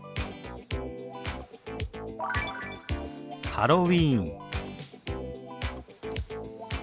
「ハロウィーン」。